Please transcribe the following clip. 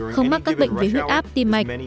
không mắc các bệnh với huyết áp tim mạch